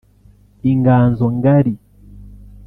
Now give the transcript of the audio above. Inganzo Ngali